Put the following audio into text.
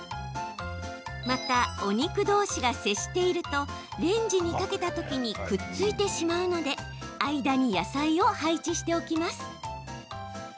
また、お肉どうしが接しているとレンジにかけたときにくっついてしまうので間に野菜を配置しておきます。